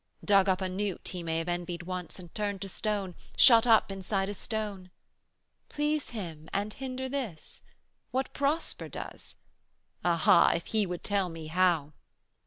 'Dug up a newt He may have envied once And turned to stone, shut up inside a stone. 215 Please Him and hinder this? What Prosper does? Aha, if He would tell me how!